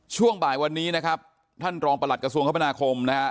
ช่วงบ่ายวันนี้นะครับท่านรองประหลัดกระทรวงคมนาคมนะฮะ